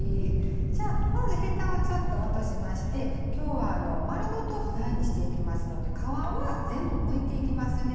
じゃあまずヘタをちょっと落としまして今日は丸ごとフライにしていきますので皮は全部むいていきますね。